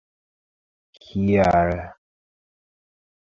kial